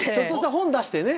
本を出してね。